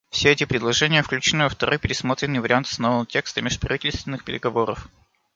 Все эти предложения включены во второй пересмотренный вариант основного текста межправительственных переговоров.